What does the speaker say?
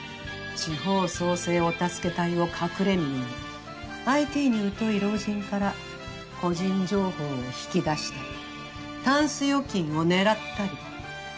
地方創生お助け隊を隠れみのにＩＴに疎い老人から個人情報を引き出したりタンス預金を狙ったり。